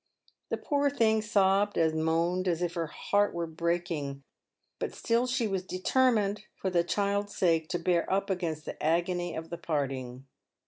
The poor thing sobbed and moaned as if her heart were breaking, but still she was deter mined, for the child's sake, to bear up against the agony of the part ing.